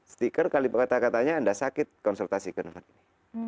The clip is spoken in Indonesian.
stiker kalipa kata katanya anda sakit konsultasi ke nomor ini